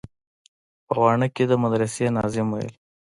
په واڼه کښې د مدرسې ناظم ويل.